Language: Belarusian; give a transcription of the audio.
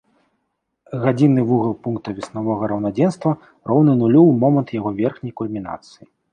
Гадзінны вугал пункта веснавога раўнадзенства роўны нулю ў момант яго верхняй кульмінацыі.